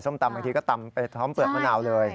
ตำบางทีก็ตำไปพร้อมเปลือกมะนาวเลย